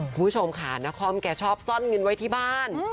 คุณผู้ชมค่ะนักคอมเคสอ้อนเงินไว้ที่บ้าน